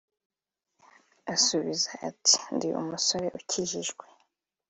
asubiza agira ati “Ndi umusore ukijijwe